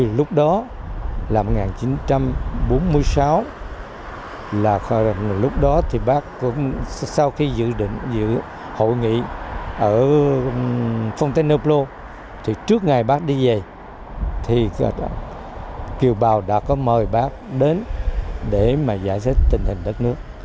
từ lúc đó là một nghìn chín trăm bốn mươi sáu là lúc đó thì bác cũng sau khi dự định hội nghị ở fontainebleau thì trước ngày bác đi về thì kiều bào đã có mời bác đến để mà giải thích tình hình đất nước